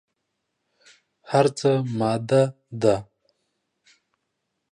هر څه ماده ده.